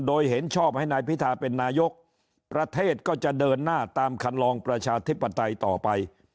โดยเห็นชอบให้นายพิธาเป็นนายกประเทศก็จะเดินหน้าตามคันลองประชาธิปไตยต่อไป